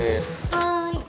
・はい。